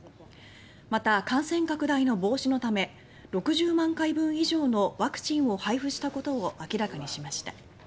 また感染拡大の防止のため６０万回分以上のワクチンを配布したことを明らかにしました。